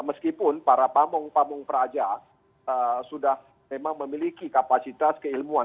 meskipun para pamung pamung praja sudah memang memiliki kapasitas keilmuan